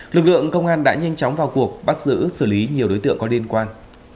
lực lượng công an đã nhanh chóng vào cuộc bắt giữ xử lý nhiều đối tượng có liên quan